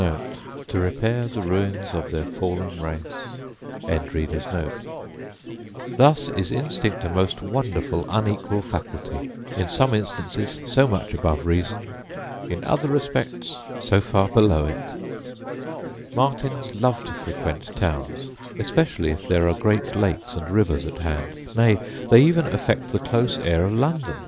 Thus is instinct a most wonderful unequal faculty; in some instances so much above reason, in other respects so far below it! Martins love to frequent towns, especially if there are great lakes and rivers at hand; nay, they even affect the close air of London.